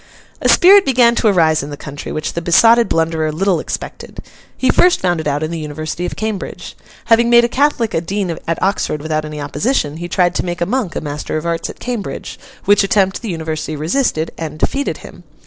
A spirit began to arise in the country, which the besotted blunderer little expected. He first found it out in the University of Cambridge. Having made a Catholic a dean at Oxford without any opposition, he tried to make a monk a master of arts at Cambridge: which attempt the University resisted, and defeated him.